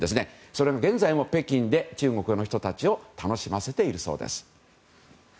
それが現在も北京で中国の人たちを楽しませているそうです。